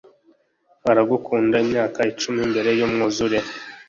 uragukunda imyaka icumi mbere yumwuzure